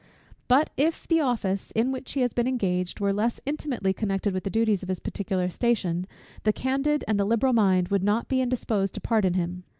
But if the office, in which he has been engaged, were less intimately connected with the duties of his particular station, the candid and the liberal mind would not be indisposed to pardon him.